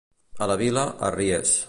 A la Vila, arriers.